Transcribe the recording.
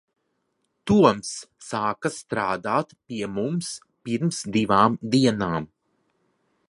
Toms sāka strādāt pie mums pirms divām dienām.